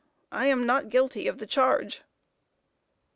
_ "I am NOT GUILTY of the charge."